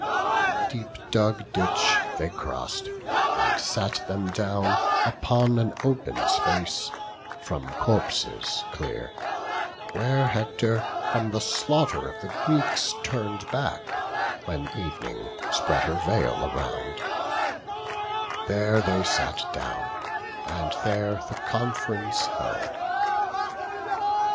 The deep dug ditch they cross'd, and sat them down Upon an open space, from corpses clear; Where Hector from the slaughter of the Greeks Turn'd back, when Ev'ning spread her veil around: There sat they down, and there the conf'rence held.